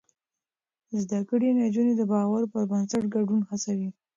زده کړې نجونې د باور پر بنسټ ګډون هڅوي.